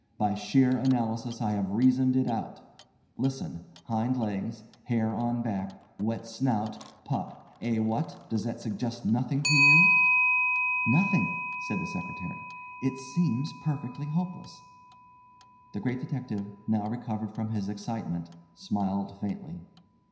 By sheer analysis I have reasoned it out. Listen—hind legs, hair on back, wet snout, pup—eh, what? does that suggest nothing to you?" "Nothing," said the secretary; "it seems perfectly hopeless." The Great Detective, now recovered from his excitement, smiled faintly.